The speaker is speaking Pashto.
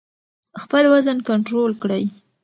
خپل وزن کنټرول کړئ.